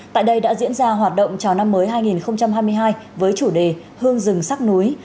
tại đây đã diễn ra hoạt động chào năm mới hai nghìn hai mươi hai với chủ đề hương rừng sắc núi